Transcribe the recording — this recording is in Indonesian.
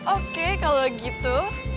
oke kalau gitu